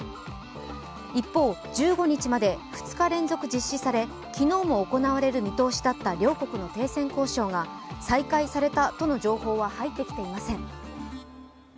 一方、１５日まで２日連続実施され、昨日も行われる見通しだった両国の停戦交渉が再開されたとの情報は入ってきていません。